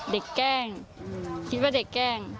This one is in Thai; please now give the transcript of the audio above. แกล้งคิดว่าเด็กแกล้ง